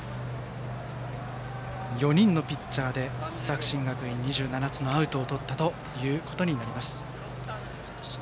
４人のピッチャーで、作新学院２７つのアウトをとったということになります。